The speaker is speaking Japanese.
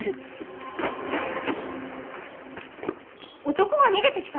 男が逃げてきた！？